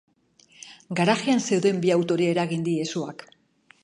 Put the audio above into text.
Garajean zeuden bi autori eragin die suak.